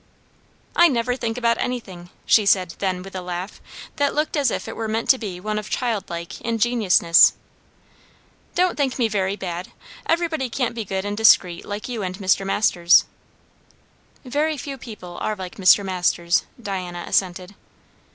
"I never think about anything!" she said then with a laugh, that looked as if it were meant to be one of childlike, ingenuousness. "Don't think me very bad. Everybody can't be good and discreet like you and Mr. Masters." "Very few people are like Mr. Masters," Diana assented.